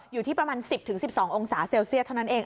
อยู่ที่ประมาณ๑๐๑๒องศาเซลเซียสเท่านั้นเอง